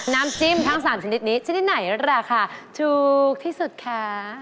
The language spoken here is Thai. น้ำจิ้มทั้ง๓ชนิดนี้ชนิดไหนราคาถูกที่สุดคะ